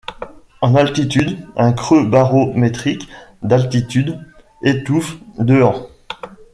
En altitude, un creux barométrique d'altitude étouffe Dean.